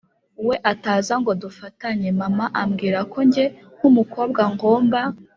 we ataza ngo dufatanye, mama ambwira ko nge nk’umukobwa ngomba